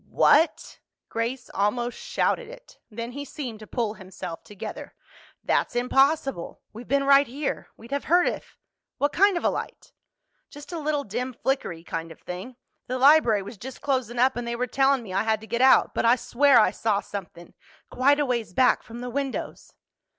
"What?" Grace almost shouted it. Then he seemed to pull himself together. "That's impossible. We've been right here. We'd have heard if—What kind of a light?" "Just a little dim flickery kind of thing. The library was just closin' up and they were tellin' me I had to get out. But I swear I saw somethin'—quite a ways back from the windows."